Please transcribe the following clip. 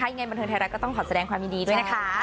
ถ้ายังมีคลิปถึงที่น่ารักก็ต้องขอแสดงความยินดีด้วยนะคะ